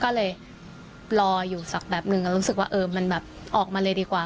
ก็เลยรออยู่สักแบบหนึ่งก็รู้สึกว่าเออมันแบบออกมาเลยดีกว่า